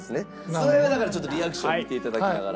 それはだからちょっとリアクションを見て頂きながら。